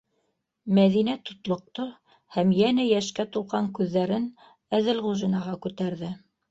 - Мәҙинә тотлоҡто һәм йәнә йәшкә тулған күҙҙәрен Әҙелғужинаға күтәрҙе.